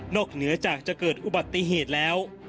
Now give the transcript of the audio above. เหนือจากจะเกิดอุบัติเหตุแล้ว